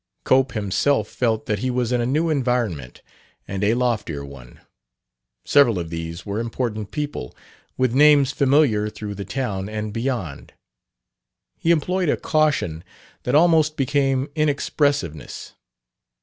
Cope himself felt that he was in a new environment, and a loftier one. Several of these were important people, with names familiar through the town and beyond. He employed a caution that almost became inexpressiveness.